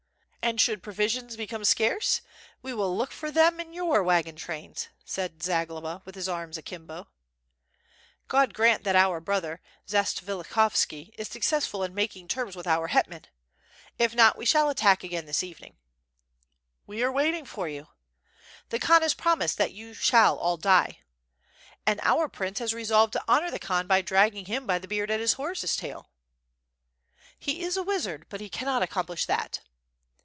"And should provisions became scarce we will look for them in your wagon trains," said Zagloba, with his arms akimbo. "God grant that our brother, Zatsvilikhovski, is successful in making terms with our hetman. If not, we shall attack again this evening." "We are waiting for you." "The Khan has promised that you shall all die." "And our prince has resolved to honor the Khan by drag ging him by the beard at his horse's tail." "He is a wizard, but he cannot accomplish that."